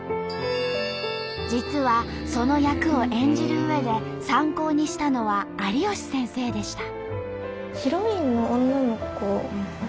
実はその役を演じるうえで参考にしたのは有吉先生でした。